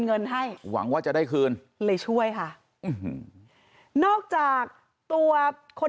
เงินให้หวังว่าจะได้คืนเลยช่วยค่ะนอกจากตัวคน